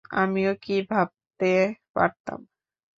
আমিও কি ভাবতে পারতাম?